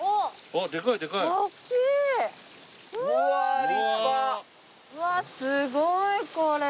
うわっすごいこれ！